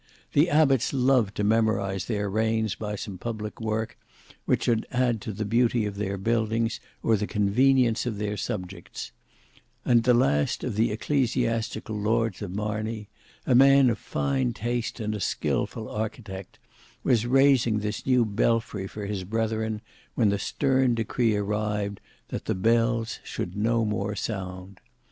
The abbots loved to memorise their reigns by some public work, which should add to the beauty of their buildings or the convenience of their subjects; and the last of the ecclesiastical lords of Marney, a man of fine taste and a skilful architect, was raising this new belfry for his brethren when the stern decree arrived that the bells should no more sound.